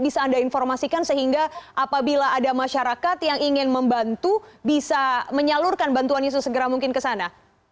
bisa anda informasikan sehingga apabila ada masyarakat yang ingin membantu bisa menyalurkan bantuannya sesegera mungkin ke sana